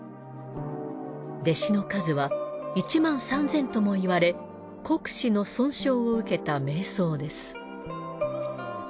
弟子の数は１万３千ともいわれ国師の尊称を受けた名僧です。